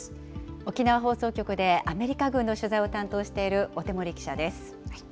沖縄放送局でアメリカ軍の取材を担当している小手森記者です。